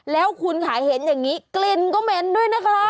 แล้วคุณค่ะเห็นอย่างนี้กลิ่นก็เหม็นด้วยนะคะ